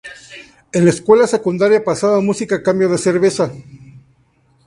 En la escuela secundaria, pasaba música a cambio de cerveza.